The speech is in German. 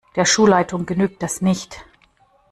Der Schulleitung genügt das nicht.